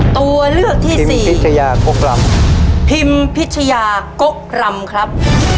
ตัวเลือกที่สี่พิมพิชยาโก๊คลำพิมพิชยาโก๊คลำครับ